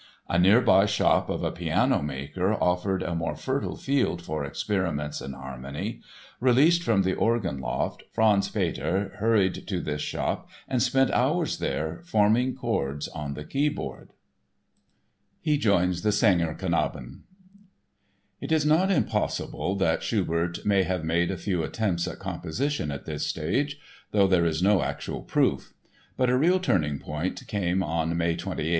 A nearby shop of a piano maker offered a more fertile field for experiments in harmony. Released from the organ loft Franz Peter hurried to this shop and spent hours there forming chords on the keyboard. He Joins the "Sängerknaben" It is not impossible that Schubert may have made a few attempts at composition at this stage, though there is no actual proof. But a real turning point came on May 28, 1808.